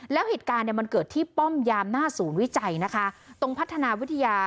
แล้วเหตุการณ์เนี่ยมันเกิดที่ป้อมยามหน้าศูนย์วิจัยนะคะ